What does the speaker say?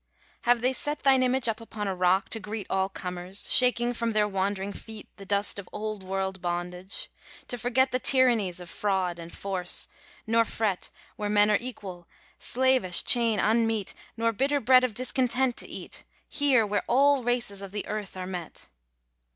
Have they set Thine image up upon a rock to greet All comers, shaking from their wandering feet The dust of old world bondage, to forget The tyrannies of fraud and force, nor fret, Where men are equal, slavish chain unmeet, Nor bitter bread of discontent to eat, Here, where all races of the earth are met?